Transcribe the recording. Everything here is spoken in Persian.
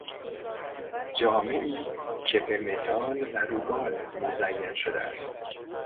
جامهای که به مدال و روبان مزین شده است.